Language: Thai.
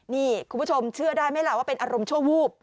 นี่คุณผู้ชมเชื่อได้ไหมล่ะว่าเป็นอารมณ์ชั่ววูบ